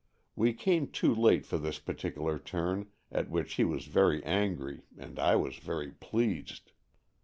We came too late for this particular turn, at which he was very angry and I was very pleased.